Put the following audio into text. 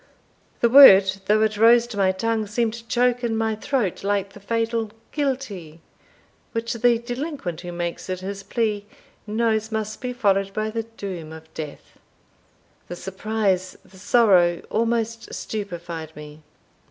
The word, though it rose to my tongue, seemed to choke in my throat like the fatal guilty, which the delinquent who makes it his plea, knows must be followed by the doom of death. The surprise the sorrow, almost stupified me.